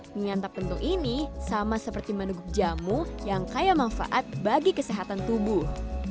menyantap bentuk ini sama seperti menuguk jamu yang kaya manfaat bagi kesehatan tubuh